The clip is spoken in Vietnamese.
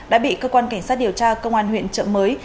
đã bị cơ quan cảnh sát điều tra công an huyện trợ mới